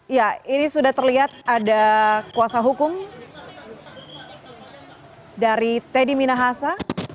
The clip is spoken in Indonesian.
ya ini sudah terlihat ada kuasa hukum dari teddy minahasa